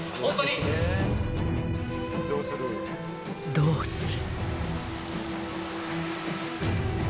「どうする？」